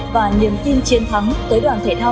và niềm tin chiến thắng tới đoàn thể thao